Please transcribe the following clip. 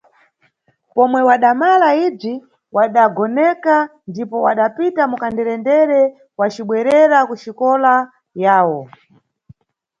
Pomwe wadamala ibzi, wadagonekana ndipo wadapita mukanderendere wacibwerera kuxikola yawo.